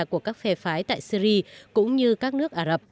của các phe phái tại syri cũng như các nước ả rập